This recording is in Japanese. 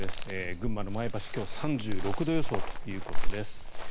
群馬の前橋今日３６度予想ということです。